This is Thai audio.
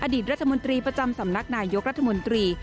อดีตรัฐมนตรีประจำสำนักนายกรัฐมนตรี